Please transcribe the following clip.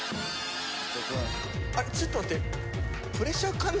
あれちょっと待って。